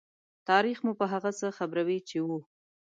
تاریخ مو په هغه څه خبروي چې وو.